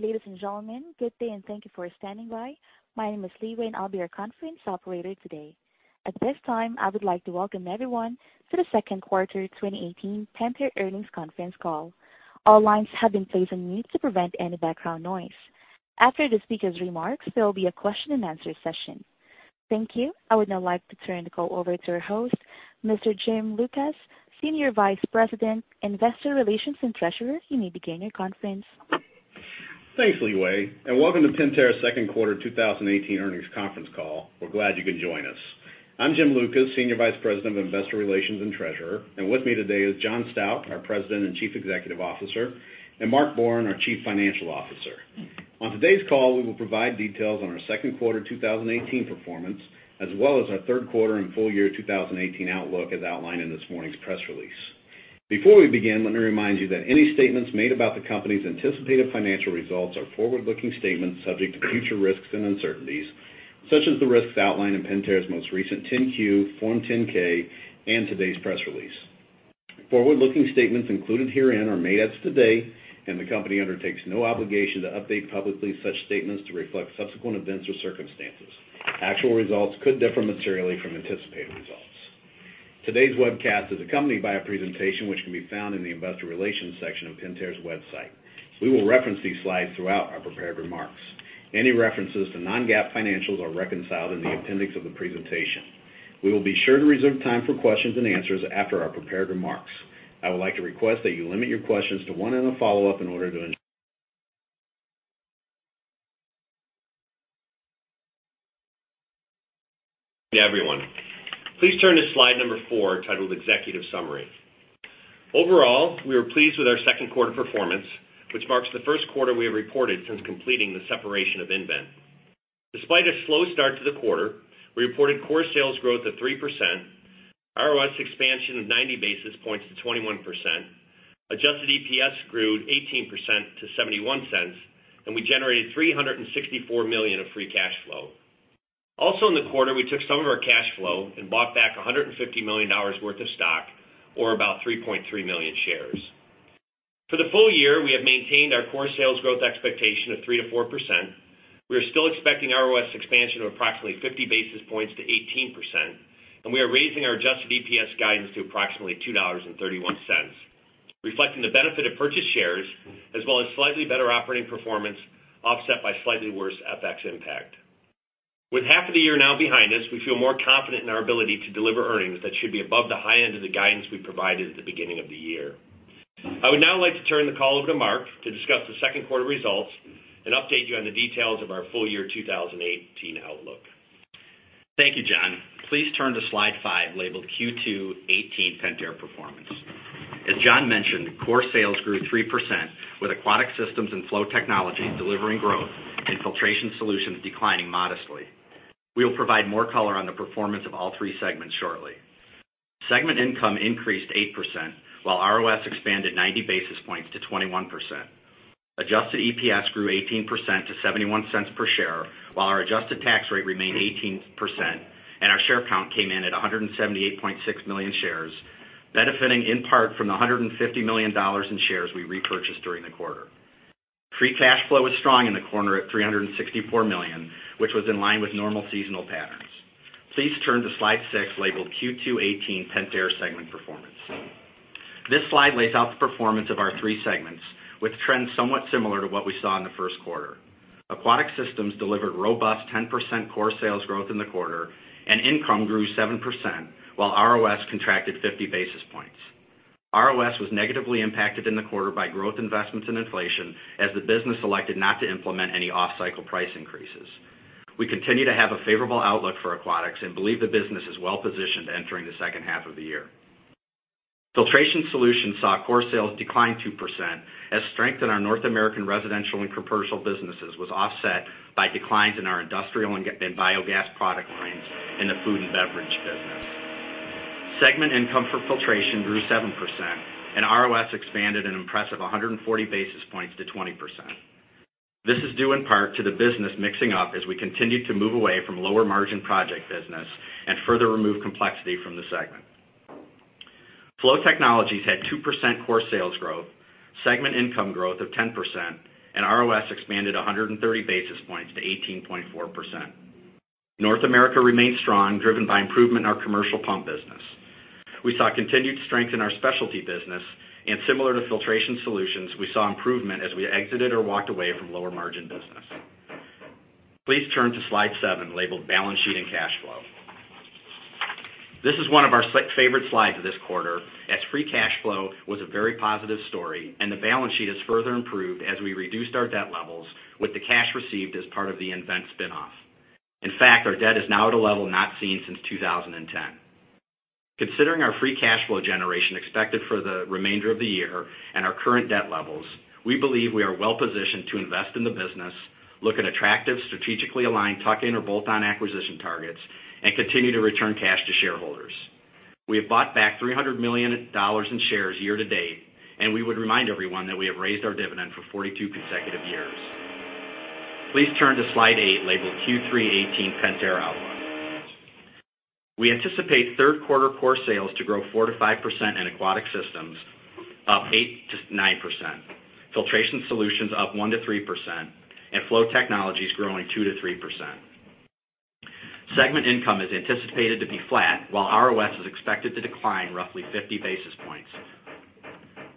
Ladies and gentlemen, good day and thank you for standing by. My name is Li Wei, and I'll be your conference operator today. At this time, I would like to welcome everyone to the second quarter 2018 Pentair Earnings Conference Call. All lines have been placed on mute to prevent any background noise. After the speaker's remarks, there will be a question and answer session. Thank you. I would now like to turn the call over to our host, Mr. Jim Lucas, Senior Vice President, Investor Relations, and Treasurer. You may begin your conference. Thanks, Li Wei, and welcome to Pentair's second quarter 2018 earnings conference call. We're glad you could join us. I'm Jim Lucas, Senior Vice President of Investor Relations and Treasurer, and with me today is John Stauch, our President and Chief Executive Officer, and Mark Borin, our Chief Financial Officer. On today's call, we will provide details on our second quarter 2018 performance, as well as our third quarter and full year 2018 outlook as outlined in this morning's press release. Before we begin, let me remind you that any statements made about the company's anticipated financial results are forward-looking statements subject to future risks and uncertainties, such as the risks outlined in Pentair's most recent 10-Q, Form 10-K, and today's press release. Forward-looking statements included herein are made as today, and the company undertakes no obligation to update publicly such statements to reflect subsequent events or circumstances. Actual results could differ materially from anticipated results. Today's webcast is accompanied by a presentation which can be found in the investor relations section of Pentair's website. We will reference these slides throughout our prepared remarks. Any references to non-GAAP financials are reconciled in the appendix of the presentation. We will be sure to reserve time for questions and answers after our prepared remarks. I would like to request that you limit your questions to one and a follow-up. Please turn to slide number four, titled Executive Summary. Overall, we are pleased with our second quarter performance, which marks the first quarter we have reported since completing the separation of nVent. Despite a slow start to the quarter, we reported core sales growth of 3%, ROS expansion of 90 basis points to 21%, adjusted EPS grew 18% to $0.71, and we generated $364 million of free cash flow. Also in the quarter, we took some of our cash flow and bought back $150 million worth of stock, or about 3.3 million shares. For the full year, we have maintained our core sales growth expectation of 3%-4%. We are still expecting ROS expansion of approximately 50 basis points to 18%, and we are raising our adjusted EPS guidance to approximately $2.31, reflecting the benefit of purchased shares, as well as slightly better operating performance offset by slightly worse FX impact. With half of the year now behind us, we feel more confident in our ability to deliver earnings that should be above the high end of the guidance we provided at the beginning of the year. I would now like to turn the call over to Mark to discuss the second quarter results and update you on the details of our full year 2018 outlook. Thank you, John. Please turn to slide five, labeled Q2 '18 Pentair Performance. As John mentioned, core sales grew 3%, with Aquatic Systems and Flow Technologies delivering growth and Filtration Solutions declining modestly. We will provide more color on the performance of all three segments shortly. Segment income increased 8%, while ROS expanded 90 basis points to 21%. Adjusted EPS grew 18% to $0.71 per share, while our adjusted tax rate remained 18%, and our share count came in at 178.6 million shares, benefiting in part from the $150 million in shares we repurchased during the quarter. Free cash flow was strong in the quarter at $364 million, which was in line with normal seasonal patterns. Please turn to slide six, labeled Q2 '18 Pentair Segment Performance. This slide lays out the performance of our three segments, with trends somewhat similar to what we saw in the first quarter. Aquatic Systems delivered robust 10% core sales growth in the quarter, and income grew 7%, while ROS contracted 50 basis points. ROS was negatively impacted in the quarter by growth investments and inflation, as the business elected not to implement any off-cycle price increases. We continue to have a favorable outlook for Aquatic Systems and believe the business is well positioned entering the second half of the year. Filtration Solutions saw core sales decline 2%, as strength in our North American residential and commercial businesses was offset by declines in our industrial and biogas product lines in the food and beverage business. Segment income for Filtration grew 7%, and ROS expanded an impressive 140 basis points to 20%. This is due in part to the business mixing up as we continued to move away from lower margin project business and further remove complexity from the segment. Flow Technologies had 2% core sales growth, segment income growth of 10%, and ROS expanded 130 basis points to 18.4%. North America remained strong, driven by improvement in our commercial pump business. We saw continued strength in our specialty business, and similar to Filtration Solutions, we saw improvement as we exited or walked away from lower margin business. Please turn to slide seven, labeled Balance Sheet and Cash Flow. This is one of our favorite slides this quarter, as free cash flow was a very positive story, and the balance sheet has further improved as we reduced our debt levels with the cash received as part of the nVent spin-off. In fact, our debt is now at a level not seen since 2010. Considering our free cash flow generation expected for the remainder of the year and our current debt levels, we believe we are well positioned to invest in the business, look at attractive, strategically aligned tuck-in or bolt-on acquisition targets, and continue to return cash to shareholders. We have bought back $300 million in shares year to date, and we would remind everyone that we have raised our dividend for 42 consecutive years. Please turn to slide eight, labeled "Q3 2018 Pentair Outlook." We anticipate third quarter core sales to grow 4%-5% in Aquatic Systems, up 8%-9%, Filtration Solutions up 1%-3%, and Flow Technologies growing 2%-3%. Segment income is anticipated to be flat while ROS is expected to decline roughly 50 basis points.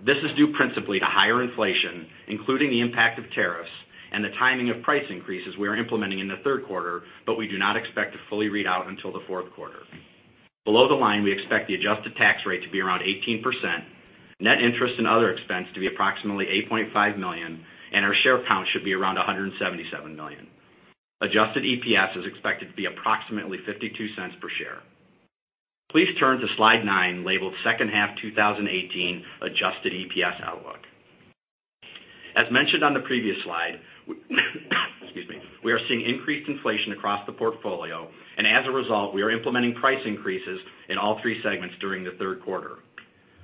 This is due principally to higher inflation, including the impact of tariffs and the timing of price increases we are implementing in the third quarter, but we do not expect to fully read out until the fourth quarter. Below the line, we expect the adjusted tax rate to be around 18%, net interest and other expense to be approximately $8.5 million, and our share count should be around 177 million. Adjusted EPS is expected to be approximately $0.52 per share. Please turn to slide nine, labeled "Second half 2018 adjusted EPS outlook." As mentioned on the previous slide, excuse me. We are seeing increased inflation across the portfolio, and as a result, we are implementing price increases in all three segments during the third quarter.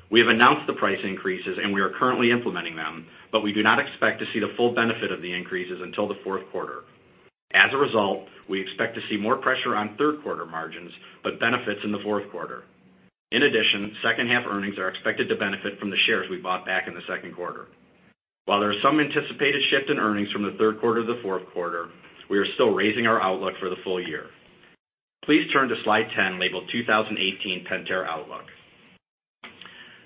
We have announced the price increases, and we are currently implementing them, but we do not expect to see the full benefit of the increases until the fourth quarter. As a result, we expect to see more pressure on third quarter margins, but benefits in the fourth quarter. In addition, second half earnings are expected to benefit from the shares we bought back in the second quarter. While there is some anticipated shift in earnings from the third quarter to the fourth quarter, we are still raising our outlook for the full year. Please turn to slide 10, labeled "2018 Pentair Outlook."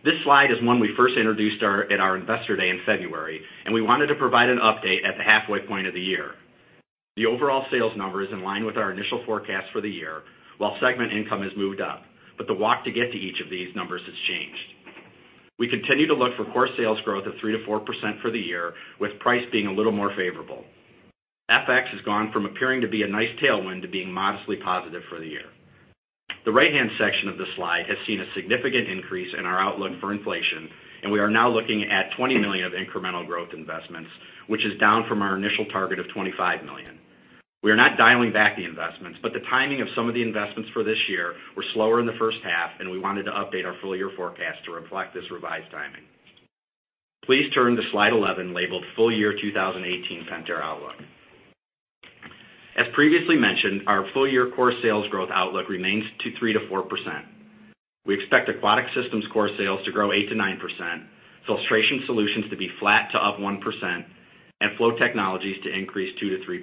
This slide is one we first introduced at our Investor Day in February, and we wanted to provide an update at the halfway point of the year. The overall sales number is in line with our initial forecast for the year, while segment income has moved up, but the walk to get to each of these numbers has changed. We continue to look for core sales growth of 3%-4% for the year, with price being a little more favorable. FX has gone from appearing to be a nice tailwind to being modestly positive for the year. The right-hand section of the slide has seen a significant increase in our outlook for inflation, and we are now looking at $20 million of incremental growth investments, which is down from our initial target of $25 million. We are not dialing back the investments, but the timing of some of the investments for this year were slower in the first half, and we wanted to update our full-year forecast to reflect this revised timing. Please turn to slide 11, labeled "Full year 2018 Pentair outlook." As previously mentioned, our full-year core sales growth outlook remains 3%-4%. We expect Aquatic Systems core sales to grow 8%-9%, Filtration Solutions to be flat to up 1%, and Flow Technologies to increase 2%-3%.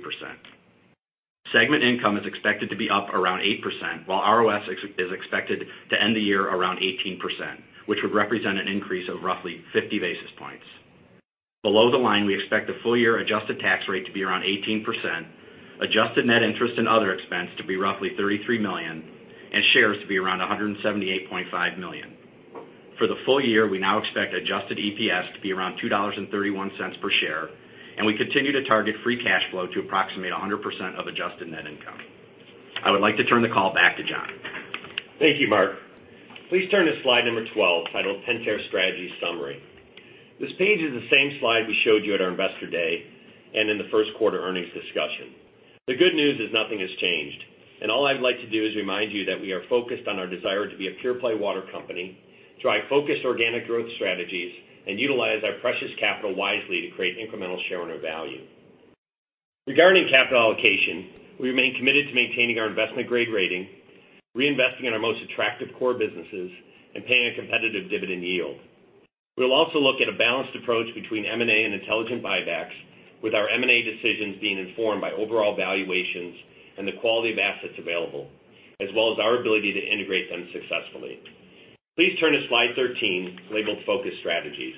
Segment income is expected to be up around 8%, while ROS is expected to end the year around 18%, which would represent an increase of roughly 50 basis points. Below the line, we expect the full-year adjusted tax rate to be around 18%, adjusted net interest and other expense to be roughly $33 million, and shares to be around 178.5 million. For the full year, we now expect adjusted EPS to be around $2.31 per share, and we continue to target free cash flow to approximate 100% of adjusted net income. I would like to turn the call back to John. Thank you, Mark. Please turn to slide number 12, titled "Pentair strategy summary." This page is the same slide we showed you at our Investor Day and in the first quarter earnings discussion. The good news is nothing has changed. All I'd like to do is remind you that we are focused on our desire to be a pure play water company, drive focused organic growth strategies, and utilize our precious capital wisely to create incremental share owner value. Regarding capital allocation, we remain committed to maintaining our investment-grade rating, reinvesting in our most attractive core businesses, and paying a competitive dividend yield. We'll also look at a balanced approach between M&A and intelligent buybacks, with our M&A decisions being informed by overall valuations and the quality of assets available, as well as our ability to integrate them successfully. Please turn to slide 13, labeled "Focused strategies."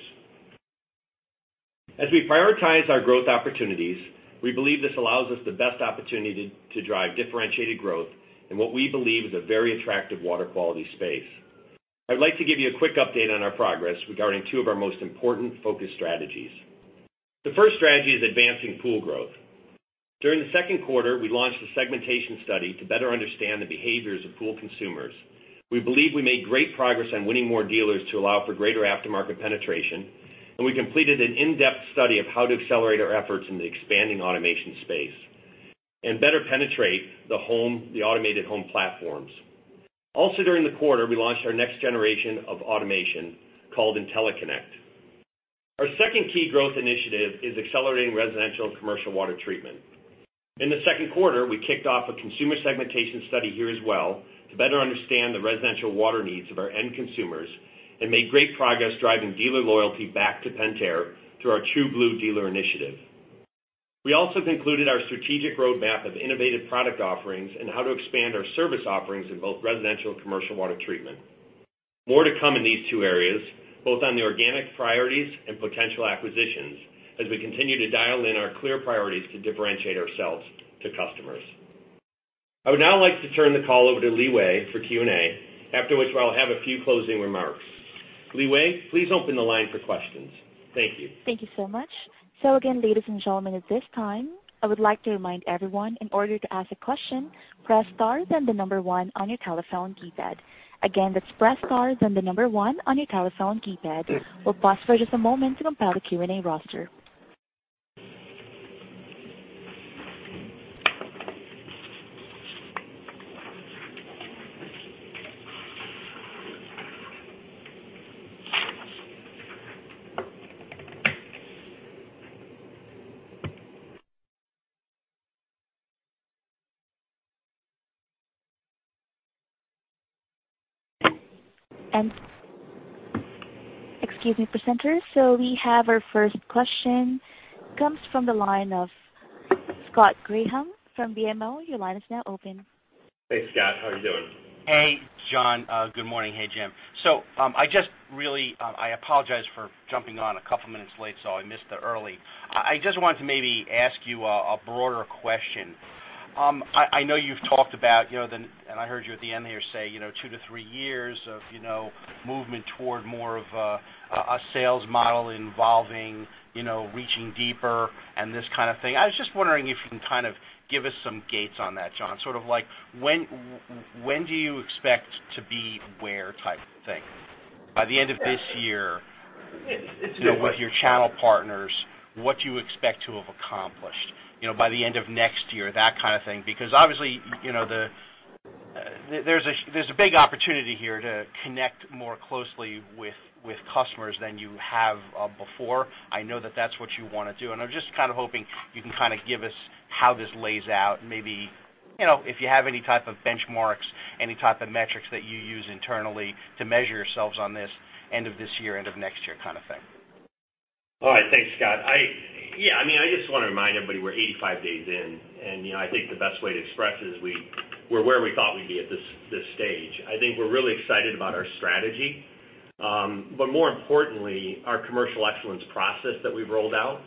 As we prioritize our growth opportunities, we believe this allows us the best opportunity to drive differentiated growth in what we believe is a very attractive water quality space. I'd like to give you a quick update on our progress regarding two of our most important focus strategies. The first strategy is advancing pool growth. During the second quarter, we launched a segmentation study to better understand the behaviors of pool consumers. We believe we made great progress on winning more dealers to allow for greater aftermarket penetration, and we completed an in-depth study of how to accelerate our efforts in the expanding automation space and better penetrate the automated home platforms. Also during the quarter, we launched our next generation of automation called IntelliConnect. Our second key growth initiative is accelerating residential and commercial water treatment. In the second quarter, we kicked off a consumer segmentation study here as well to better understand the residential water needs of our end consumers and made great progress driving dealer loyalty back to Pentair through our True Blue Dealer initiative. We also concluded our strategic roadmap of innovative product offerings and how to expand our service offerings in both residential and commercial water treatment. More to come in these two areas, both on the organic priorities and potential acquisitions, as we continue to dial in our clear priorities to differentiate ourselves to customers. I would now like to turn the call over to Li Wei for Q&A, after which I'll have a few closing remarks. Li Wei, please open the line for questions. Thank you. Thank you so much. Again, ladies and gentlemen, at this time, I would like to remind everyone in order to ask a question, press star then the number 1 on your telephone keypad. Again, that's press star then the number one on your telephone keypad. We'll pause for just a moment to compile the Q&A roster. Excuse me, presenters. We have our first question. Comes from the line of Scott Graham from BMO. Your line is now open. Hey, Scott. How are you doing? Hey, John. Good morning. Hey, Jim. I apologize for jumping on a couple of minutes late, so I missed the early. I just wanted to maybe ask you a broader question. I know you've talked about, and I heard you at the end here say, 2-3 years of movement toward more of a sales model involving reaching deeper and this kind of thing. I was just wondering if you can kind of give us some gates on that, John. Sort of like when do you expect to be where type thing. By the end of this year? It's- With your channel partners, what do you expect to have accomplished by the end of next year? That kind of thing. Obviously, there's a big opportunity here to connect more closely with customers than you have before. I know that that's what you want to do, and I'm just kind of hoping you can give us how this lays out and maybe if you have any type of benchmarks, any type of metrics that you use internally to measure yourselves on this end of this year, end of next year kind of thing. All right. Thanks, Scott. I just want to remind everybody we're 85 days in, and I think the best way to express it is we're where we thought we'd be at this stage. More importantly, our commercial excellence process that we've rolled out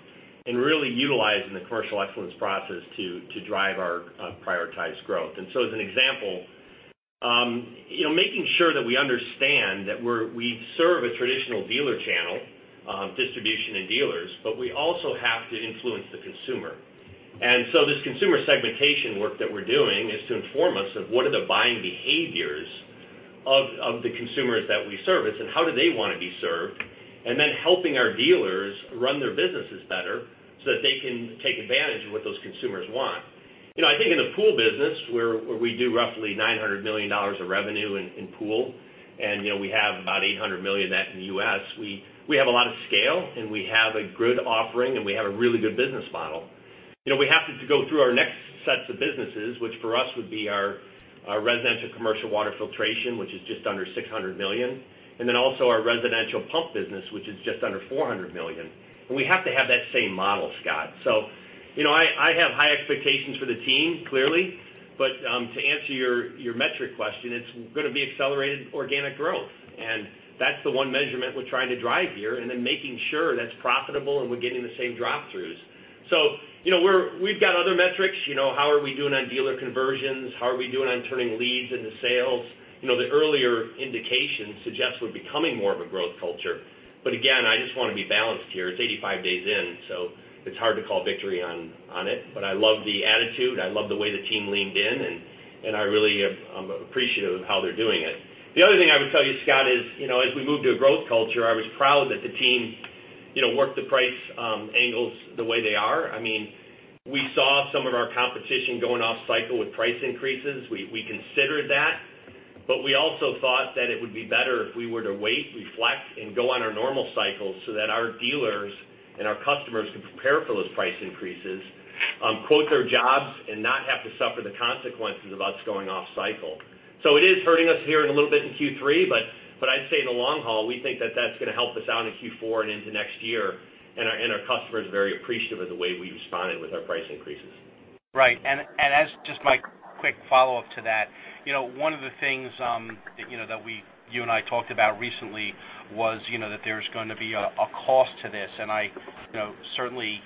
and really utilizing the commercial excellence process to drive our prioritized growth. As an example, making sure that we understand that we serve a traditional dealer channel, distribution and dealers, but we also have to influence the consumer. This consumer segmentation work that we're doing is to inform us of what are the buying behaviors of the consumers that we service and how do they want to be served, and then helping our dealers run their businesses better so that they can take advantage of what those consumers want. I think in the pool business, where we do roughly $900 million of revenue in pool, and we have about $800 million of that in the U.S., we have a lot of scale, and we have a good offering, and we have a really good business model. We have to go through our next sets of businesses, which for us would be our residential commercial water filtration, which is just under $600 million, and then also our residential pump business, which is just under $400 million. We have to have that same model, Scott. I have high expectations for the team, clearly. To answer your metric question, it's going to be accelerated organic growth, and that's the one measurement we're trying to drive here, and then making sure that's profitable and we're getting the same drop-throughs. We've got other metrics. How are we doing on dealer conversions? How are we doing on turning leads into sales? The earlier indications suggest we're becoming more of a growth culture. Again, I just want to be balanced here. It's 85 days in, it's hard to call victory on it. I love the attitude. I love the way the team leaned in, and I really am appreciative of how they're doing it. The other thing I would tell you, Scott, is as we move to a growth culture, I was proud that the team worked the price angles the way they are. We saw some of our competition going off cycle with price increases. We considered that, we also thought that it would be better if we were to wait, reflect, and go on our normal cycles so that our dealers and our customers could prepare for those price increases, quote their jobs, and not have to suffer the consequences of us going off cycle. It is hurting us here in a little bit in Q3, but I'd say in the long haul, we think that that's going to help us out in Q4 and into next year. Our customers are very appreciative of the way we responded with our price increases. Right. As just my quick follow-up to that, one of the things that you and I talked about recently was that there's going to be a cost to this, and certainly,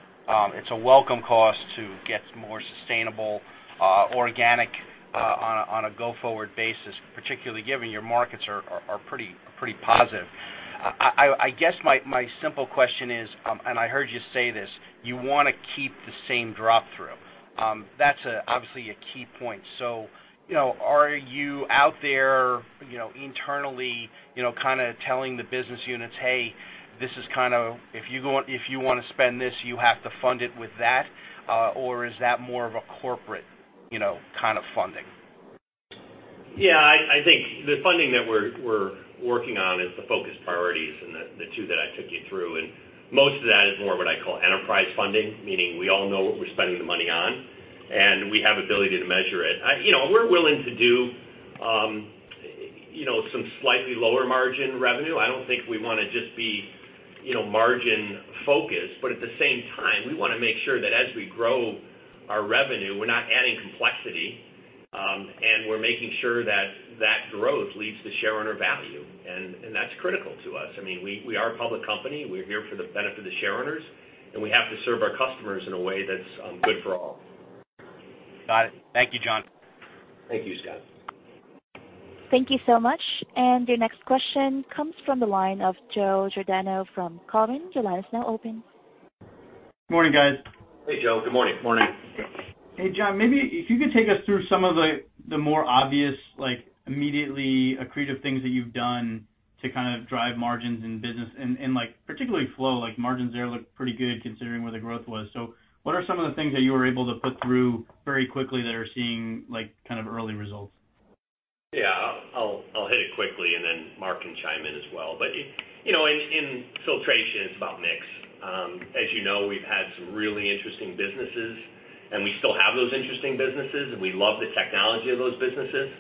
it's a welcome cost to get more sustainable organic on a go-forward basis, particularly given your markets are pretty positive. I guess my simple question is, and I heard you say this, you want to keep the same drop-through. That's obviously a key point. Are you out there internally telling the business units, "Hey, if you want to spend this, you have to fund it with that," or is that more of a corporate kind of funding? Yeah, I think the funding that we're working on is the focus priorities and the two that I took you through, and most of that is more of what I call enterprise funding, meaning we all know what we're spending the money on, and we have ability to measure it. We're willing to do some slightly lower margin revenue. I don't think we want to just be margin-focused, but at the same time, we want to make sure that as we grow our revenue, we're not adding complexity, and we're making sure that that growth leads to shareowner value, and that's critical to us. We are a public company. We're here for the benefit of the shareowners, and we have to serve our customers in a way that's good for all. Got it. Thank you, John. Thank you, Scott. Thank you so much. Your next question comes from the line of Joe Giordano from Cowen. Your line is now open. Morning, guys. Hey, Joe. Good morning. Morning. Hey, John, maybe if you could take us through some of the more obvious, immediately accretive things that you've done to kind of drive margins in business and particularly Flow Technologies. Like margins there look pretty good considering where the growth was. What are some of the things that you were able to put through very quickly that are seeing early results? Yeah. I'll hit it quickly, and then Mark can chime in as well. In Filtration Solutions, it's about mix. As you know, we've had some really interesting businesses, and we still have those interesting businesses, and we love the technology of those businesses,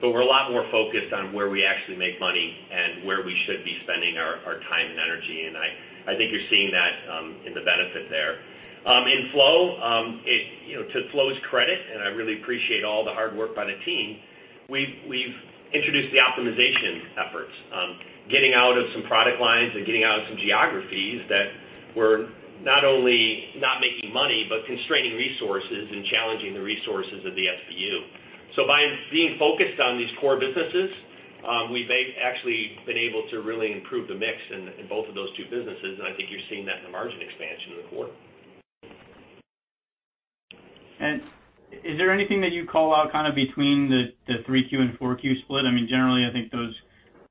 but we're a lot more focused on where we actually make money and where we should be spending our time and energy. I think you're seeing that in the benefit there. In Flow Technologies, to Flow Technologies' credit, I really appreciate all the hard work by the team, we've introduced the optimization efforts. Getting out of some product lines and getting out of some geographies that were not only not making money, but constraining resources and challenging the resources of the SBU. By being focused on these core businesses, we've actually been able to really improve the mix in both of those two businesses, and I think you're seeing that in the margin expansion in the quarter. Is there anything that you'd call out between the 3Q and 4Q split? Generally, I think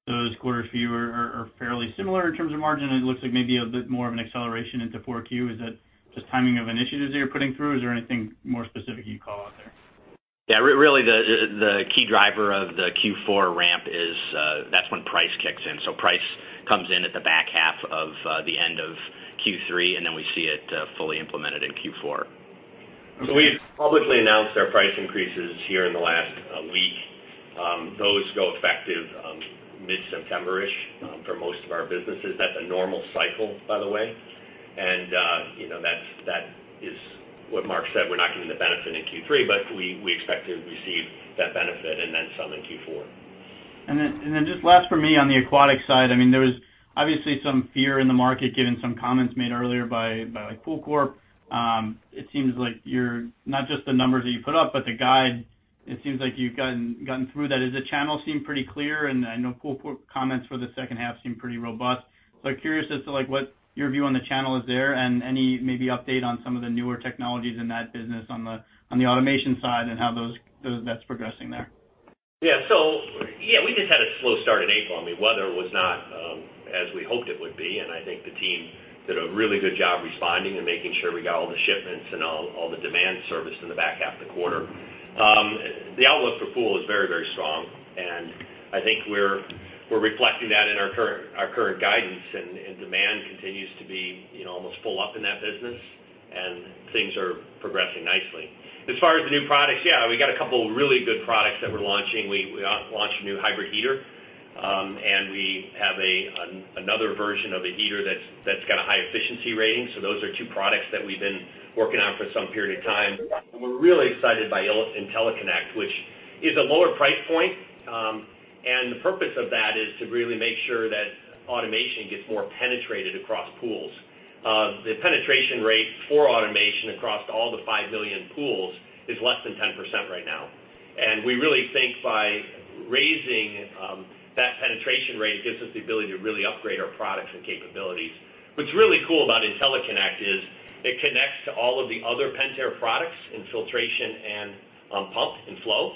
those quarters for you are fairly similar in terms of margin, and it looks like maybe a bit more of an acceleration into 4Q. Is that just timing of initiatives that you're putting through? Is there anything more specific you'd call out there? Really the key driver of the Q4 ramp is, that's when price kicks in. Price comes in at the back half of the end of Q3, and then we see it fully implemented in Q4. We've publicly announced our price increases here in the last week. Those go effective mid-September-ish for most of our businesses. That's a normal cycle, by the way. That is what Mark said. We're not getting the benefit in Q3, but we expect to receive that benefit and then some in Q4. Just last for me on the Aquatic side, there was obviously some fear in the market given some comments made earlier by PoolCorp. It seems like not just the numbers that you put up, but the guide, it seems like you've gotten through that. Does the channel seem pretty clear? I know PoolCorp comments for the second half seem pretty robust. Curious as to what your view on the channel is there and any maybe update on some of the newer technologies in that business on the automation side and how that's progressing there. Yeah. We just had a slow start in April. Weather was not as we hoped it would be, and I think the team did a really good job responding and making sure we got all the shipments and all the demand serviced in the back half of the quarter. The outlook for Pool is very strong, and I think we're reflecting that in our current guidance, and demand continues to be almost full up in that business, and things are progressing nicely. As far as the new products, yeah, we got a couple really good products that we're launching. We launched a new hybrid heater, and we have another version of a heater that's got a high efficiency rating. Those are two products that we've been working on for some period of time. We're really excited by IntelliConnect, which is a lower price point. The purpose of that is to really make sure that automation gets more penetrated across pools. The penetration rate for automation across all the five million pools is less than 10% right now. We really think by raising that penetration rate, it gives us the ability to really upgrade our products and capabilities. What's really cool about IntelliConnect is it connects to all of the other Pentair products in Filtration and Pump and Flow,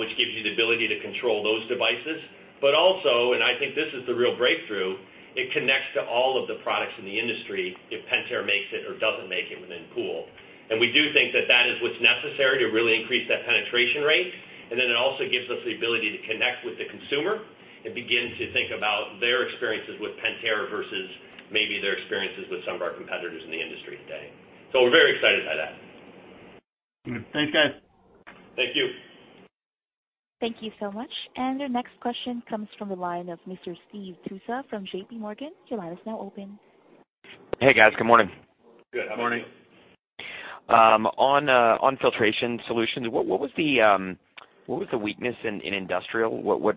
which gives you the ability to control those devices. Also, and I think this is the real breakthrough, it connects to all of the products in the industry if Pentair makes it or doesn't make it within Pool. We do think that that is what's necessary to really increase that penetration rate. It also gives us the ability to connect with the consumer and begin to think about their experiences with Pentair versus maybe their experiences with some of our competitors in the industry today. We're very excited by that. Good. Thanks, guys. Thank you. Thank you so much. Our next question comes from the line of Mr. Stephen Tusa from JPMorgan. Your line is now open. Hey, guys. Good morning. Good morning. On Filtration Solutions, what was the weakness in industrial?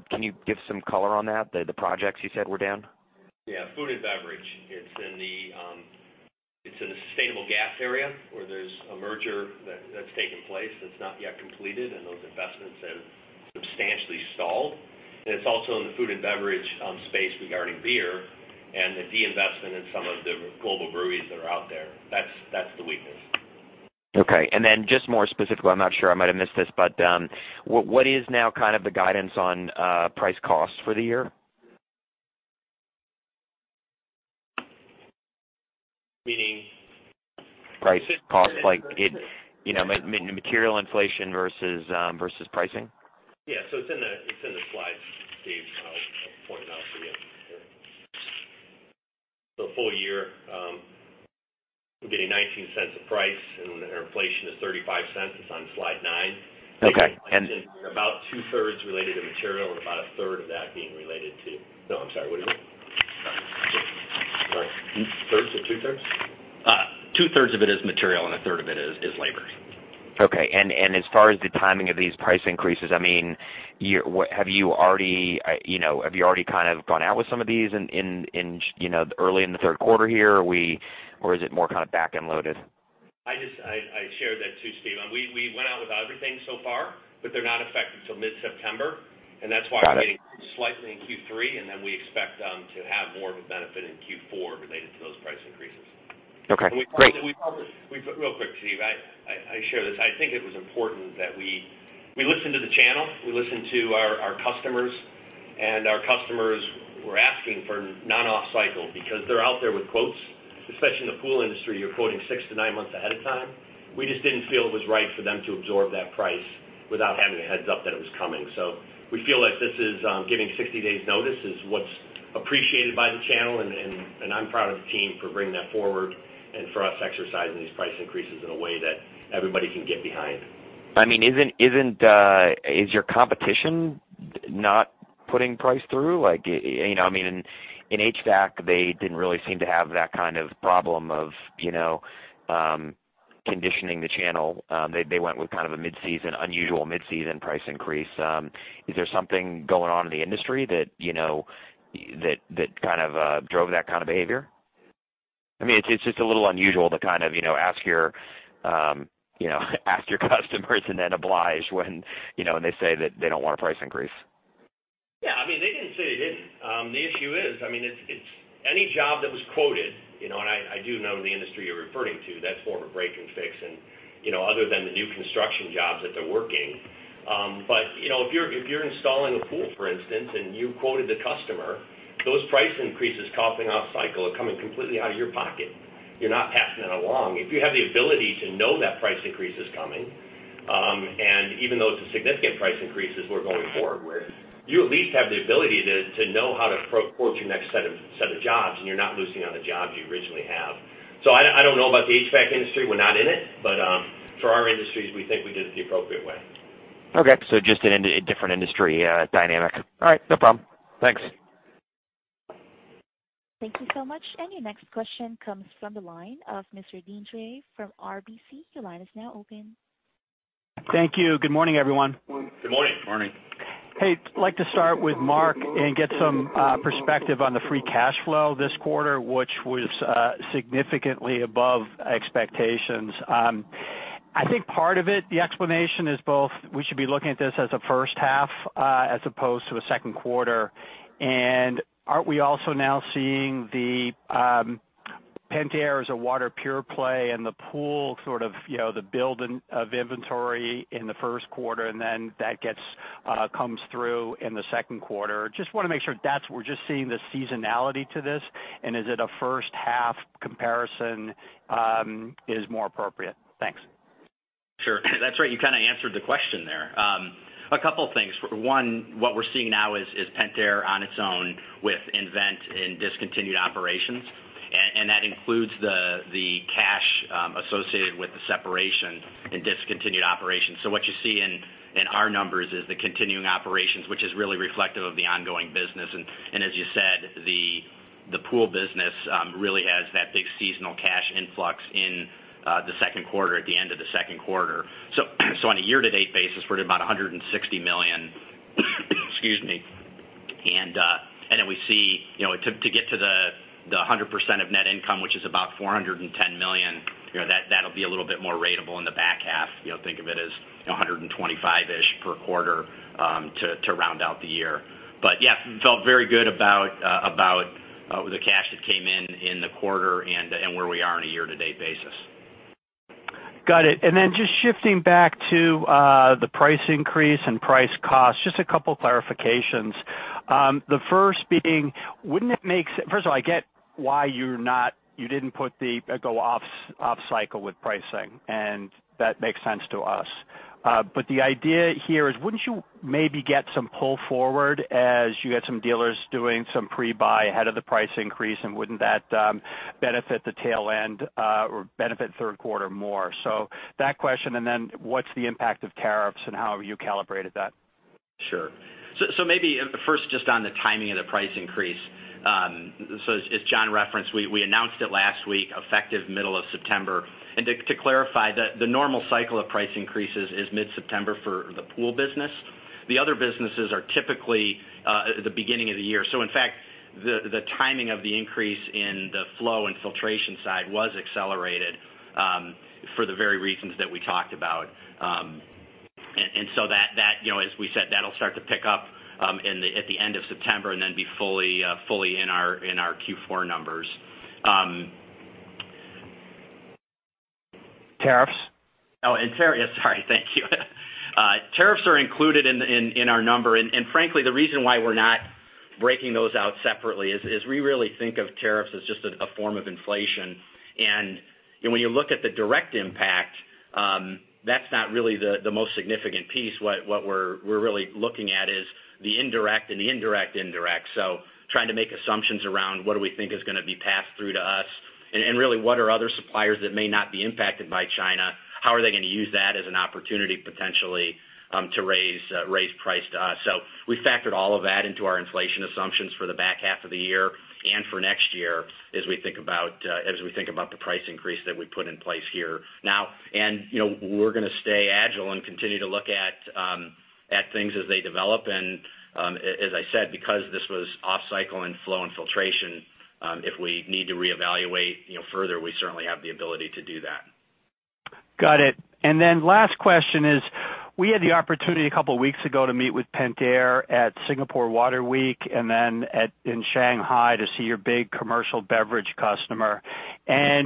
Can you give some color on that, the projects you said were down? Yeah, food and beverage. It's in the sustainable gas area where there's a merger that's taken place that's not yet completed, and those investments have substantially stalled. It's also in the food and beverage space regarding beer and the disinvestment in some of the global breweries that are out there. That's the weakness. Okay. Just more specifically, I'm not sure, I might have missed this, what is now the guidance on price costs for the year? Meaning? Price costs, like material inflation versus pricing. Yeah. It's in the slides, Steve. I'll point it out for you here. Full year, we're getting $0.19 a price and inflation is $0.35. It's on slide nine. Okay. About two-thirds related to material and about a third of that being related to No, I'm sorry, what is it? One-third to two-thirds? Two-thirds of it is material and a third of it is labor. Okay. As far as the timing of these price increases, have you already gone out with some of these early in the third quarter here? Or is it more back-end loaded? I shared that too, Steve. We went out with everything so far, but they're not effective till mid-September, and that's why we're getting slightly in Q3, and then we expect to have more of a benefit in Q4 related to those price increases. Okay, great. Real quick, Steve, I share this. I think it was important that we listen to the channel, we listen to our customers, and our customers were asking for non-off cycle because they're out there with quotes. Especially in the pool industry, you're quoting six to nine months ahead of time. We just didn't feel it was right for them to absorb that price without having a heads-up that it was coming. We feel like giving 60 days notice is what's appreciated by the channel. I'm proud of the team for bringing that forward and for us exercising these price increases in a way that everybody can get behind. Is your competition not putting price through? In HVAC, they didn't really seem to have that kind of problem of conditioning the channel. They went with kind of a unusual mid-season price increase. Is there something going on in the industry that drove that kind of behavior? It's just a little unusual to ask your customers and then oblige when they say that they don't want a price increase. Yeah. They didn't say they didn't. The issue is, any job that was quoted, and I do know the industry you're referring to, that's more of a break and fix, and other than the new construction jobs that they're working. If you're installing a pool, for instance, and you quoted the customer, those price increases coming off cycle are coming completely out of your pocket. You're not passing that along. If you have the ability to know that price increase is coming, and even though it's a significant price increases we're going forward with, you at least have the ability to know how to quote your next set of jobs, and you're not losing on the jobs you originally have. I don't know about the HVAC industry. We're not in it. For our industries, we think we did it the appropriate way. Okay. Just a different industry dynamic. All right. No problem. Thanks. Thank you so much. Your next question comes from the line of Mr. Deane Dray from RBC. Your line is now open. Thank you. Good morning, everyone. Good morning. Morning. I'd like to start with Mark and get some perspective on the free cash flow this quarter, which was significantly above expectations. I think part of it, the explanation is both, we should be looking at this as a first half, as opposed to a second quarter. Aren't we also now seeing Pentair as a water pure play and the pool sort of the build of inventory in the first quarter, and then that comes through in the second quarter? Just want to make sure we're just seeing the seasonality to this, and is it a first-half comparison is more appropriate? Thanks. Sure. That's right, you kind of answered the question there. A couple things. One, what we're seeing now is Pentair on its own with nVent and discontinued operations, and that includes the cash associated with the separation and discontinued operations. What you see in our numbers is the continuing operations, which is really reflective of the ongoing business. As you said, the pool business really has that big seasonal cash influx in the second quarter, at the end of the second quarter. On a year-to-date basis, we're at about $160 million. Excuse me. We see, to get to the 100% of net income, which is about $410 million, that'll be a little bit more ratable in the back half. Think of it as, $125-ish per quarter, to round out the year. Yeah, I felt very good about the cash that came in in the quarter and where we are on a year-to-date basis. Got it. Just shifting back to the price increase and price cost, just a couple clarifications. The first being, first of all, I get why you didn't go off-cycle with pricing, and that makes sense to us. The idea here is wouldn't you maybe get some pull forward as you get some dealers doing some pre-buy ahead of the price increase? Wouldn't that benefit the tail end, or benefit third quarter more? That question, and then what's the impact of tariffs, and how have you calibrated that? Sure. Maybe first just on the timing of the price increase. As John referenced, we announced it last week, effective middle of September. To clarify, the normal cycle of price increases is mid-September for the pool business. The other businesses are typically the beginning of the year. In fact, the timing of the increase in the flow and filtration side was accelerated for the very reasons that we talked about. As we said, that'll start to pick up at the end of September and then be fully in our Q4 numbers. Tariffs? Oh and tariff. Yeah, sorry. Thank you. Tariffs are included in our number, frankly, the reason why we're not breaking those out separately is we really think of tariffs as just a form of inflation. When you look at the direct impact, that's not really the most significant piece. What we're really looking at is the indirect and the indirect indirect. Trying to make assumptions around what do we think is going to be passed through to us, and really what are other suppliers that may not be impacted by China, how are they going to use that as an opportunity potentially, to raise price to us? We factored all of that into our inflation assumptions for the back half of the year and for next year, as we think about the price increase that we put in place here now. We're going to stay agile and continue to look at things as they develop, and, as I said, because this was off cycle in flow and filtration, if we need to reevaluate further, we certainly have the ability to do that. Got it. Last question is we had the opportunity a couple of weeks ago to meet with Pentair at Singapore Water Week and then in Shanghai to see your big commercial beverage customer.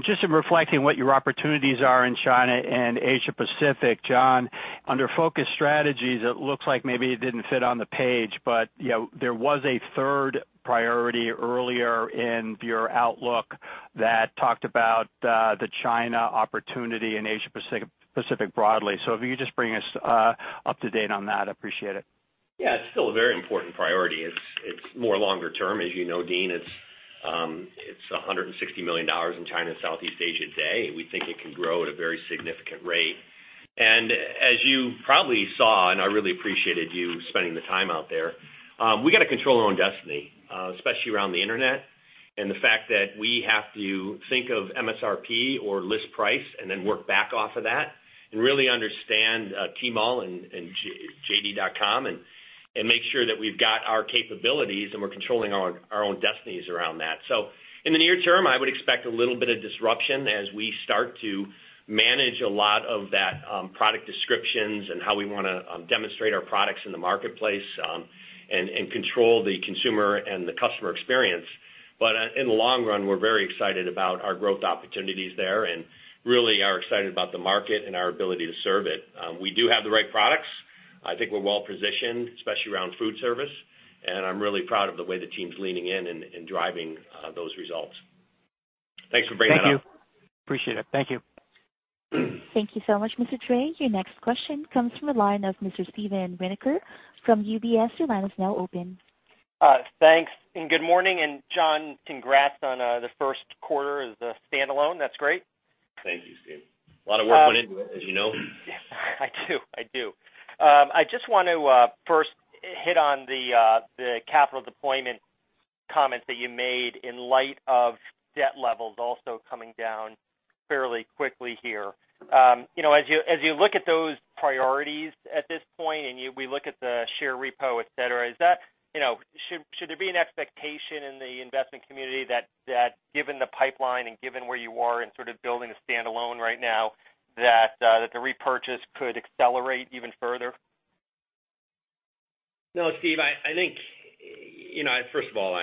Just in reflecting what your opportunities are in China and Asia Pacific, John, under focused strategies, it looks like maybe it didn't fit on the page, but there was a third priority earlier in your outlook that talked about the China opportunity in Asia Pacific broadly. If you could just bring us up to date on that, I appreciate it. Yeah. It's still a very important priority. It's more longer term. As you know, Deane, it's $160 million in China and Southeast Asia today. We think it can grow at a very significant rate. As you probably saw, and I really appreciated you spending the time out there, we got to control our own destiny, especially around the Internet, and the fact that we have to think of MSRP or list price and then work back off of that and really understand Tmall and JD.com and make sure that we've got our capabilities and we're controlling our own destinies around that. In the near term, I would expect a little bit of disruption as we start to manage a lot of that product descriptions and how we want to demonstrate our products in the marketplace and control the consumer and the customer experience. In the long run, we're very excited about our growth opportunities there and really are excited about the market and our ability to serve it. We do have the right products. I think we're well-positioned, especially around food service, and I'm really proud of the way the team's leaning in and driving those results. Thanks for bringing it up. Thank you. Appreciate it. Thank you. Thank you so much, Mr. Dray. Your next question comes from the line of Mr. Steven Winoker from UBS. Your line is now open. Thanks, good morning. John, congrats on the first quarter as a standalone. That's great. Thank you, Steve. A lot of work went into it, as you know. I do. I just want to first hit on the capital deployment comments that you made in light of debt levels also coming down fairly quickly here. You look at those priorities at this point and we look at the share repo, et cetera, should there be an expectation in the investment community that given the pipeline and given where you are in sort of building a standalone right now, that the repurchase could accelerate even further? No, Steve. First of all,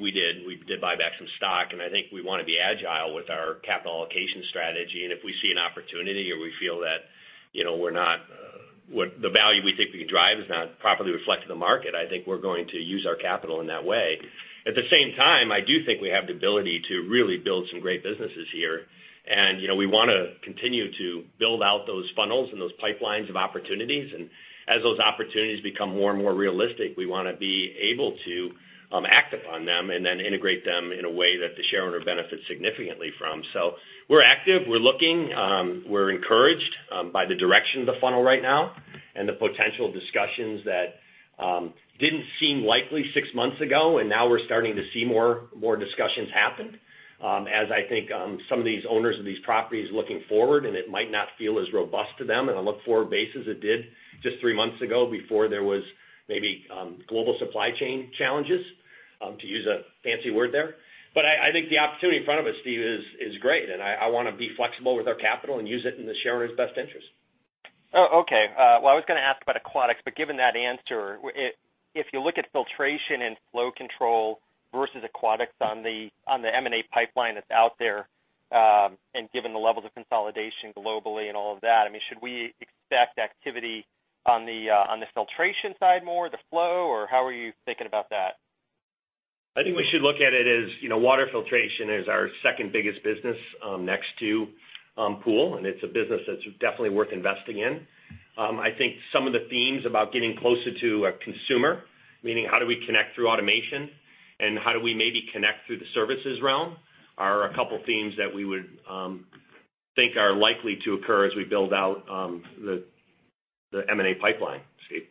we did buy back some stock. I think we want to be agile with our capital allocation strategy. If we see an opportunity or we feel that the value we think we can drive is not properly reflected in the market, I think we're going to use our capital in that way. At the same time, I do think we have the ability to really build some great businesses here. We want to continue to build out those funnels and those pipelines of opportunities. As those opportunities become more and more realistic, we want to be able to act upon them and then integrate them in a way that the shareholder benefits significantly from. We're active. We're looking. We're encouraged by the direction of the funnel right now and the potential discussions that didn't seem likely 6 months ago. Now we're starting to see more discussions happen as I think some of these owners of these properties looking forward. It might not feel as robust to them on a look-forward basis as it did just three months ago before there was maybe global supply chain challenges, to use a fancy word there. I think the opportunity in front of us, Steve, is great. I want to be flexible with our capital and use it in the shareholders' best interest. Oh, okay. I was going to ask about Aquatics, but given that answer, if you look at Filtration and flow control versus Aquatics on the M&A pipeline that's out there, given the levels of consolidation globally and all of that, should we expect activity on the Filtration side more, the flow, or how are you thinking about that? I think we should look at it as water filtration is our second biggest business next to Pool. It's a business that's definitely worth investing in. I think some of the themes about getting closer to a consumer, meaning how do we connect through automation and how do we maybe connect through the services realm, are a couple themes that we would think are likely to occur as we build out the M&A pipeline, Steve.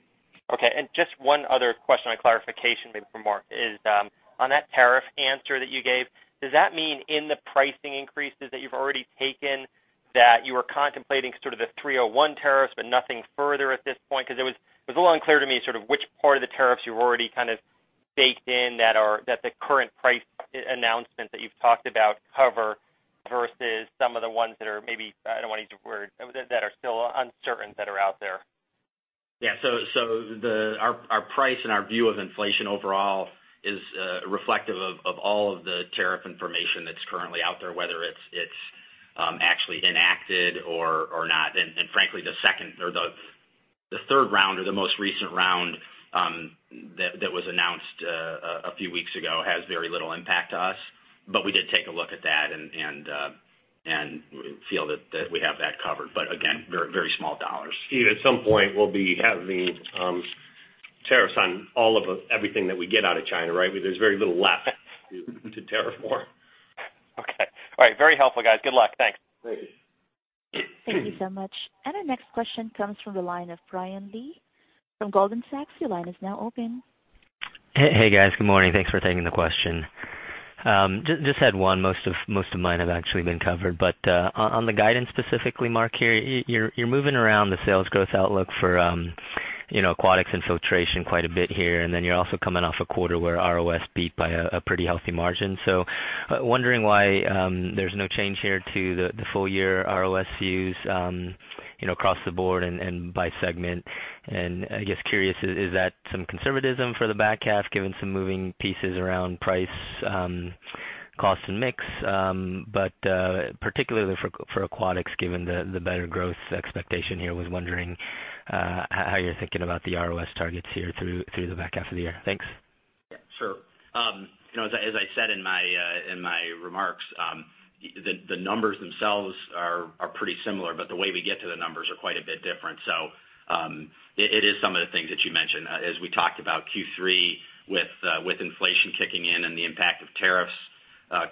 Okay. Just one other question or clarification maybe for Mark is on that tariff answer that you gave, does that mean in the pricing increases that you've already taken, that you were contemplating sort of the Section 301 tariffs, but nothing further at this point? Because it was a little unclear to me sort of which part of the tariffs you've already kind of baked in that the current price announcement that you've talked about cover versus some of the ones that are maybe, I don't want to use the word, that are still uncertain that are out there. Yeah. Our price and our view of inflation overall is reflective of all of the tariff information that's currently out there, whether it's actually enacted or not. Frankly, the third round or the most recent round that was announced a few weeks ago has very little impact to us. We did take a look at that and feel that we have that covered. Again, very small dollars. Steve, at some point, we'll be having tariffs on everything that we get out of China, right? There's very little left to tariff war. Okay. All right. Very helpful, guys. Good luck. Thanks. Great. Thank you so much. Our next question comes from the line of Brian Lee from Goldman Sachs. Your line is now open. Hey, guys. Good morning. Thanks for taking the question. Just had one. Most of mine have actually been covered. On the guidance specifically, Mark, you're moving around the sales growth outlook for Aquatics and Filtration quite a bit here, then you're also coming off a quarter where ROS beat by a pretty healthy margin. Wondering why there's no change here to the full-year ROS views across the board and by segment. I guess curious, is that some conservatism for the back half, given some moving pieces around price, cost, and mix? Particularly for Aquatics, given the better growth expectation here, was wondering how you're thinking about the ROS targets here through the back half of the year. Thanks. Yeah, sure. As I said in my remarks, the numbers themselves are pretty similar, but the way we get to the numbers are quite a bit different. It is some of the things that you mentioned. As we talked about Q3 with inflation kicking in and the impact of tariffs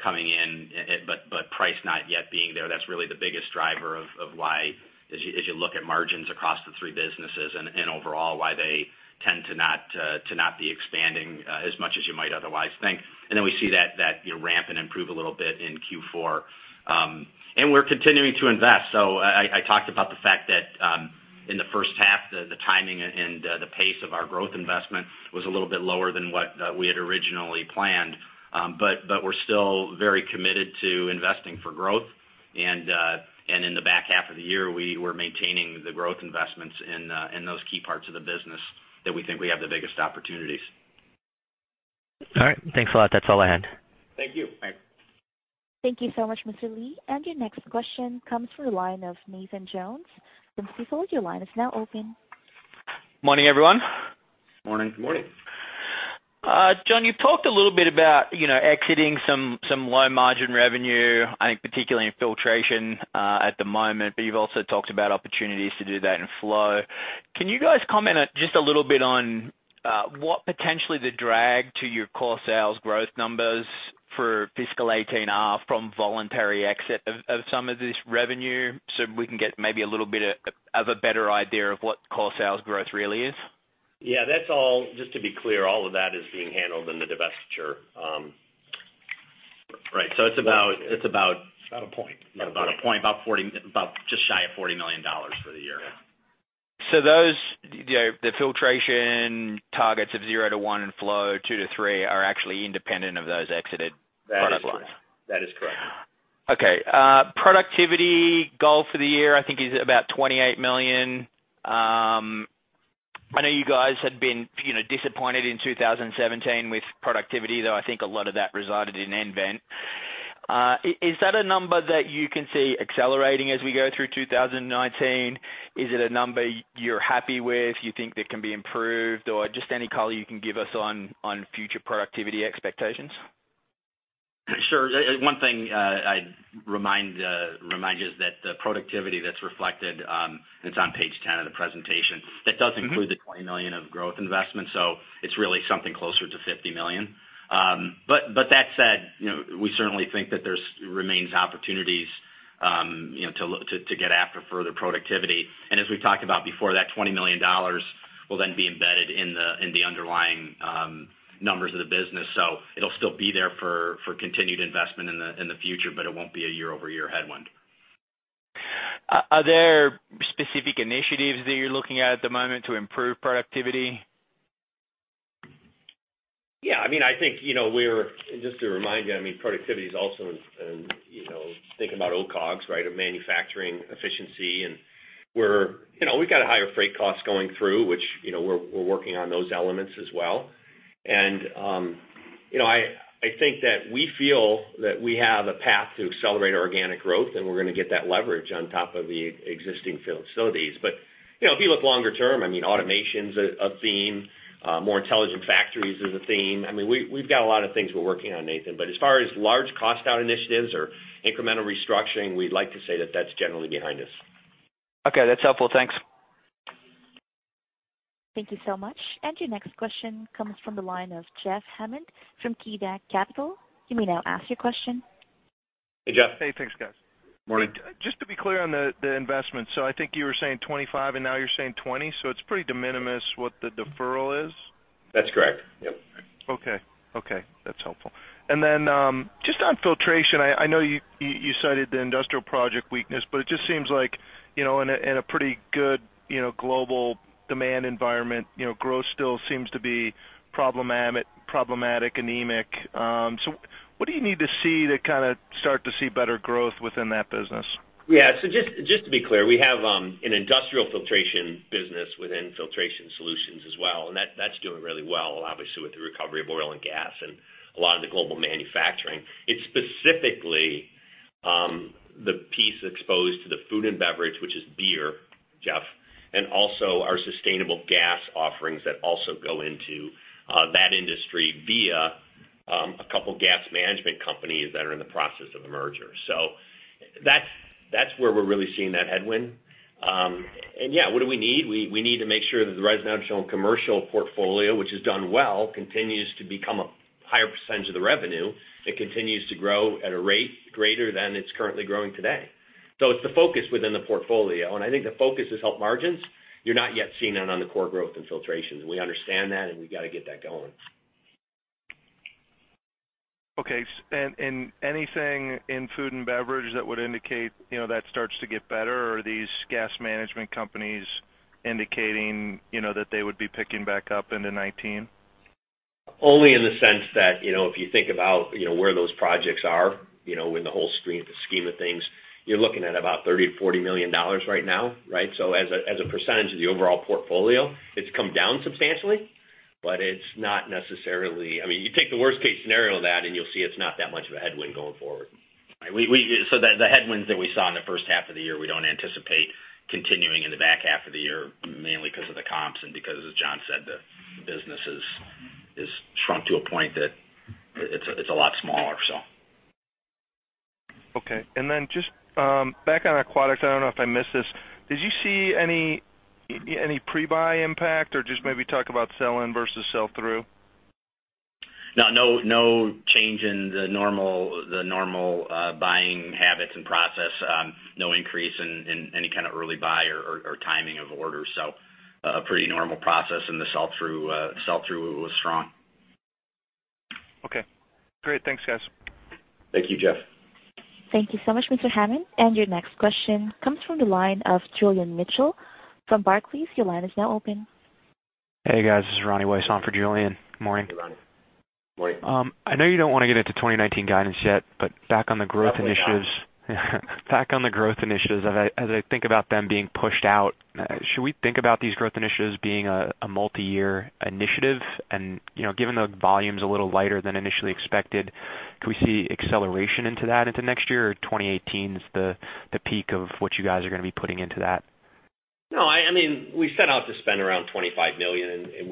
coming in, but price not yet being there. That's really the biggest driver of why, as you look at margins across the three businesses and overall, why they tend to not be expanding as much as you might otherwise think. Then we see that ramp and improve a little bit in Q4. We're continuing to invest. I talked about the fact that in the first half, the timing and the pace of our growth investment was a little bit lower than what we had originally planned. We're still very committed to investing for growth. In the back half of the year, we were maintaining the growth investments in those key parts of the business that we think we have the biggest opportunities. All right. Thanks a lot. That's all I had. Thank you. Thank you so much, Mr. Lee. Your next question comes from the line of Nathan Jones from Stifel. Your line is now open. Morning, everyone. Morning. Morning. John, you talked a little bit about exiting some low margin revenue, I think particularly in Filtration at the moment, but you've also talked about opportunities to do that in Flow. Can you guys comment just a little bit on what potentially the drag to your core sales growth numbers for fiscal 2018 are from voluntary exit of some of this revenue, so we can get maybe a little bit of a better idea of what core sales growth really is? Yeah, just to be clear, all of that is being handled in the divestiture. Right. It's about. About a point. About a point. About just shy of $40 million for the year. Yeah. the Filtration targets of zero to one and Flow two to three are actually independent of those exited product lines. That is correct. Okay. Productivity goal for the year, I think is about $28 million. I know you guys had been disappointed in 2017 with productivity, though I think a lot of that resided in nVent. Is that a number that you can see accelerating as we go through 2019? Is it a number you're happy with, you think that can be improved? Or just any color you can give us on future productivity expectations? Sure. One thing I'd remind you is that the productivity that's reflected, it's on page 10 of the presentation. That does include the $20 million of growth investment, it's really something closer to $50 million. That said, we certainly think that there remains opportunities to get after further productivity. As we talked about before, that $20 million will then be embedded in the underlying numbers of the business. It'll still be there for continued investment in the future, but it won't be a year-over-year headwind. Are there specific initiatives that you're looking at the moment, to improve productivity? Yeah. Just to remind you, productivity is also in thinking about COGS, right? Of manufacturing efficiency, we've got a higher freight cost going through, which we're working on those elements as well. I think that we feel that we have a path to accelerate our organic growth, we're going to get that leverage on top of the existing facilities. If you look longer term, automation's a theme. More intelligent factories is a theme. We've got a lot of things we're working on, Nathan, but as far as large cost-out initiatives or incremental restructuring, we'd like to say that that's generally behind us. Okay. That's helpful. Thanks. Thank you so much. Your next question comes from the line of Jeff Hammond from KeyBanc Capital. You may now ask your question. Hey, Jeff. Hey, thanks, guys. Morning. Just to be clear on the investment. I think you were saying 25, and now you're saying 20, it's pretty de minimis what the deferral is. That's correct. Yep. Okay. That's helpful. Just on Filtration, I know you cited the industrial project weakness, but it just seems like in a pretty good global demand environment, growth still seems to be problematic, anemic. What do you need to see to kind of start to see better growth within that business? Yeah. Just to be clear, we have an industrial filtration business within Filtration Solutions as well, and that's doing really well, obviously with the recovery of oil and gas and a lot of the global manufacturing. It's specifically the piece exposed to the food and beverage, which is beer, Jeff, and also our sustainable gas offerings that also go into that industry via a couple gas management companies that are in the process of a merger. That's where we're really seeing that headwind. Yeah, what do we need? We need to make sure that the residential and commercial portfolio, which has done well, continues to become a higher percentage of the revenue. It continues to grow at a rate greater than it's currently growing today. It's the focus within the portfolio, and I think the focus has helped margins. You're not yet seeing that on the core growth in Filtration, and we understand that, and we got to get that going. Okay. Anything in food and beverage that would indicate that starts to get better? Are these gas management companies indicating that they would be picking back up into 2019? Only in the sense that, if you think about where those projects are in the whole scheme of things, you're looking at about $30 million-$40 million right now, right? As a percentage of the overall portfolio, it's come down substantially, but it's not necessarily You take the worst-case scenario of that, and you'll see it's not that much of a headwind going forward. The headwinds that we saw in the first half of the year, we don't anticipate continuing in the back half of the year, mainly because of the comps and because, as John said, the business has shrunk to a point that it's a lot smaller. Okay. Then just back on Aquatics, I don't know if I missed this. Did you see any pre-buy impact or just maybe talk about sell-in versus sell-through? No. No change in the normal buying habits and process. No increase in any kind of early buy or timing of orders. A pretty normal process in the sell-through. Sell-through was strong. Okay, great. Thanks, guys. Thank you, Jeff. Thank you so much, Mr. Hammond. Your next question comes from the line of Julian Mitchell from Barclays. Your line is now open. Hey, guys. This is Ronnie Weiss on for Julian. Morning. Hey, Ronnie. Morning. I know you don't want to get into 2019 guidance yet, but back on the growth initiatives. Not yet. Back on the growth initiatives, as I think about them being pushed out, should we think about these growth initiatives being a multi-year initiative and, given the volume's a little lighter than initially expected, can we see acceleration into that into next year? 2018 is the peak of what you guys are going to be putting into that? No. We set out to spend around $25 million, and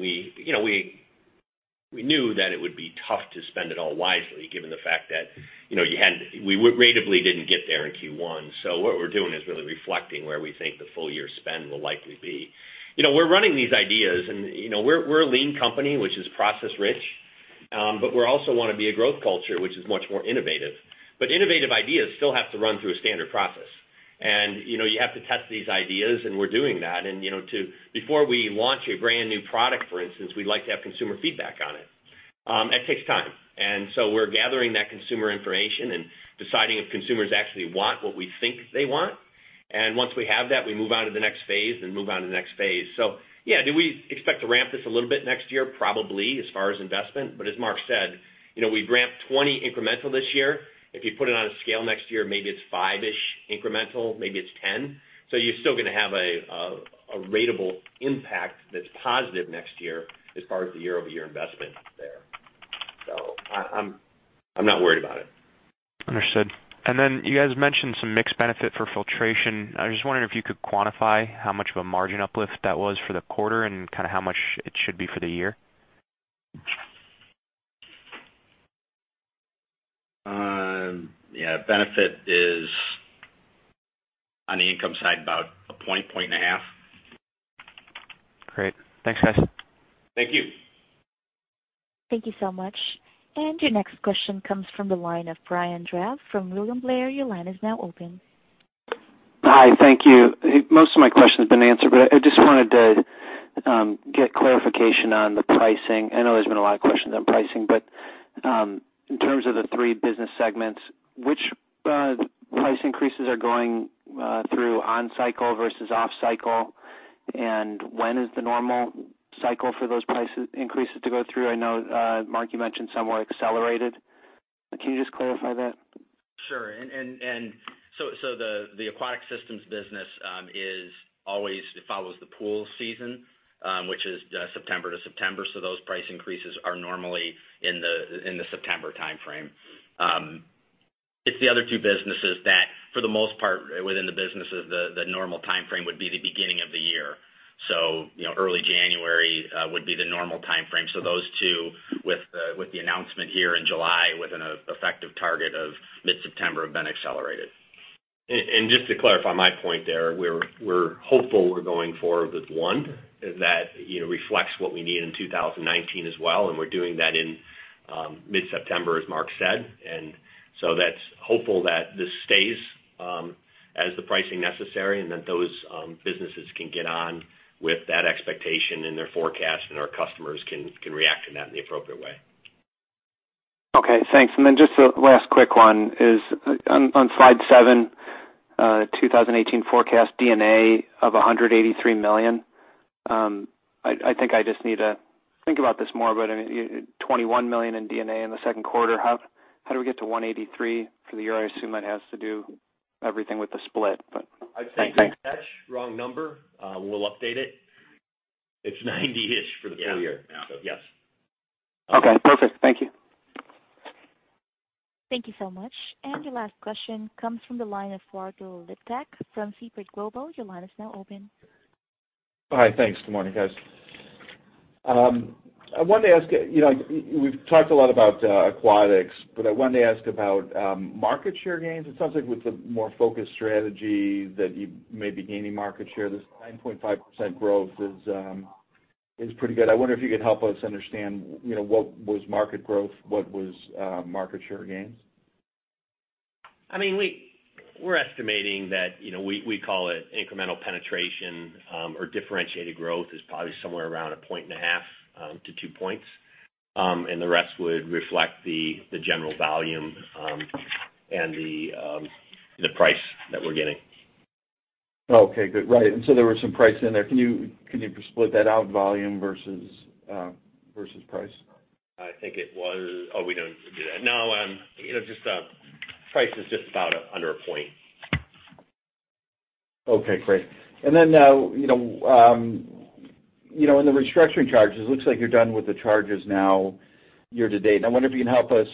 we knew that it would be tough to spend it all wisely given the fact that we ratably didn't get there in Q1. What we're doing is really reflecting where we think the full-year spend will likely be. We're running these ideas, and we're a lean company, which is process-rich. We also want to be a growth culture, which is much more innovative. Innovative ideas still have to run through a standard process. You have to test these ideas, and we're doing that. Before we launch a brand-new product, for instance, we like to have consumer feedback on it. That takes time. We're gathering that consumer information and deciding if consumers actually want what we think they want. Once we have that, we move on to the next phase and move on to the next phase. Yeah, do we expect to ramp this a little bit next year? Probably, as far as investment. As Mark said, we ramped 20 incremental this year. If you put it on a scale next year, maybe it's five-ish incremental, maybe it's 10. You're still going to have a ratable impact that's positive next year as far as the year-over-year investment there. I'm not worried about it. Understood. You guys mentioned some mixed benefit for Filtration. I was just wondering if you could quantify how much of a margin uplift that was for the quarter and kind of how much it should be for the year. Yeah. Benefit is on the income side about a point and a half. Great. Thanks, guys. Thank you. Thank you so much. Your next question comes from the line of Brian Drab from William Blair. Your line is now open. Hi, thank you. Most of my question has been answered, I just wanted to get clarification on the pricing. I know there's been a lot of questions on pricing, in terms of the three business segments, which price increases are going through on cycle versus off cycle, and when is the normal cycle for those price increases to go through? I know, Mark, you mentioned some were accelerated. Can you just clarify that? Sure. The Aquatic Systems business always follows the pool season, which is September to September. Those price increases are normally in the September timeframe. It's the other two businesses that, for the most part, within the business, the normal timeframe would be the beginning of the year. Early January would be the normal timeframe. Those two with the announcement here in July with an effective target of mid-September have been accelerated. Just to clarify my point there, we're hopeful we're going forward with one that reflects what we need in 2019 as well, we're doing that in mid-September, as Mark said. That's hopeful that this stays as the pricing necessary and that those businesses can get on with that expectation in their forecast, and our customers can react to that in the appropriate way. Okay, thanks. Just a last quick one is on slide seven, 2018 forecast D&A of $183 million. I think I just need to think about this more, $21 million in D&A in the second quarter. How do we get to $183 for the year? I assume that has to do everything with the split, thanks. I think it's a mismatch. Wrong number. We'll update it. It's $90-ish for the full year. Yeah. Yes. Okay, perfect. Thank you. Thank you so much. Your last question comes from the line of Vlad Bystricky from Seaport Global. Your line is now open. Hi. Thanks. Good morning, guys. I wanted to ask, we've talked a lot about Aquatics, but I wanted to ask about market share gains. It sounds like with the more focused strategy that you may be gaining market share. This 9.5% growth is pretty good. I wonder if you could help us understand what was market growth, what was market share gains? We're estimating that, we call it incremental penetration or differentiated growth, is probably somewhere around 1.5-2 points, and the rest would reflect the general volume and the price that we're getting. Okay, good. Right. There was some price in there. Can you split that out, volume versus price? I think it was we don't do that. No, price is just about under a point. Okay, great. In the restructuring charges, it looks like you're done with the charges now year-to-date. I wonder if you can help us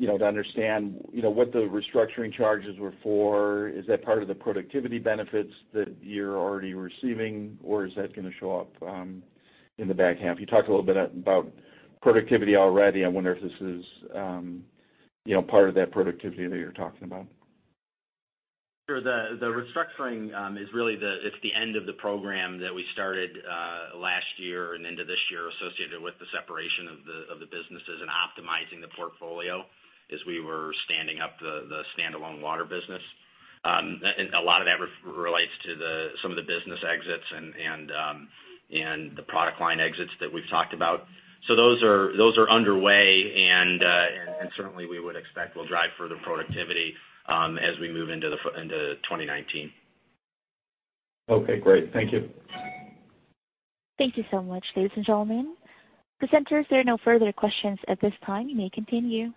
to understand what the restructuring charges were for. Is that part of the productivity benefits that you're already receiving, or is that going to show up in the back half? You talked a little bit about productivity already. I wonder if this is part of that productivity that you're talking about. Sure. The restructuring is really the end of the program that we started last year and into this year associated with the separation of the businesses and optimizing the portfolio as we were standing up the standalone water business. A lot of that relates to some of the business exits and the product line exits that we've talked about. Those are underway and certainly we would expect will drive further productivity as we move into 2019. Okay, great. Thank you. Thank you so much, ladies and gentlemen. Presenters, there are no further questions at this time. You may continue.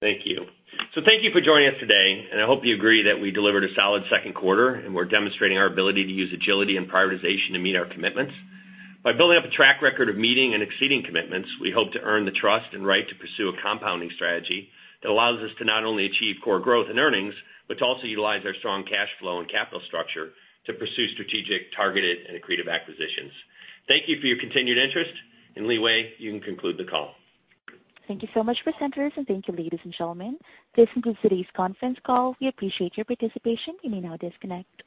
Thank you. Thank you for joining us today, and I hope you agree that we delivered a solid second quarter, and we're demonstrating our ability to use agility and prioritization to meet our commitments. By building up a track record of meeting and exceeding commitments, we hope to earn the trust and right to pursue a compounding strategy that allows us to not only achieve core growth and earnings, but to also utilize our strong cash flow and capital structure to pursue strategic, targeted, and accretive acquisitions. Thank you for your continued interest. Li Wei, you can conclude the call. Thank you so much, presenters, and thank you, ladies and gentlemen. This concludes today's conference call. We appreciate your participation. You may now disconnect.